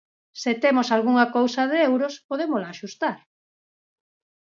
Se temos algunha cousa de euros, podémola axustar.